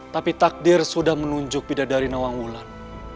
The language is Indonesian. tapi takdir sudah menunjuk bidadari nawa wulan